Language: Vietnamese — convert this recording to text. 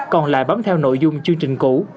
còn lại bám theo nội dung chương trình cũ